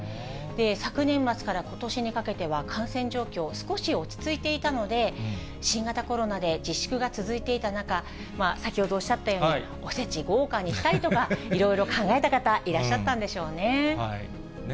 昨年末からことしにかけては、感染状況、少し落ち着いていたので、新型コロナで自粛が続いていた中、先ほどおっしゃったように、おせち豪華にしたりとか、いろいろ考えた方、いらっしゃったんでしょうね。